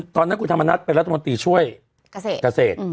ตอนนั้นคุณธรรมนัฐเป็นรัฐมนตรีช่วยเกษตร